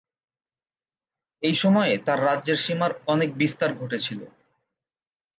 এই সময়ে তার রাজ্যের সীমার অনেক বিস্তার ঘটেছিল।